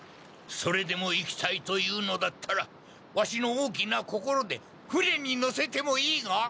それでも行きたいと言うのだったらワシの大きな心で船に乗せてもいいが。